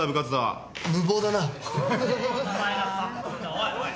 おいおい。